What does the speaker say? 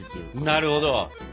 なるほど。